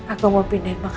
aku mau pindahin bakal nindi